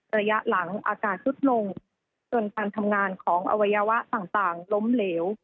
ระยะหลังอากาศซุดลงจนการทำงานของอวัยวะต่างล้มเหลว